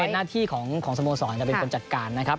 เป็นหน้าที่ของสโมสรจะเป็นคนจัดการนะครับ